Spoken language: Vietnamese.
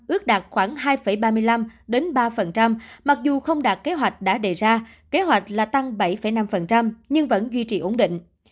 ước đạt khoảng hai ba mươi năm ba mặc dù không đạt kế hoạch đã đề ra kế hoạch là tăng bảy năm nhưng vẫn duy trì ổn định